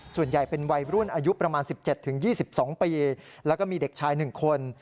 ส่วนใหญ่เป็นวัยรุ่นอายุประมาณ๑๗๒๒ปีแล้วก็มีเด็กชาย๑คน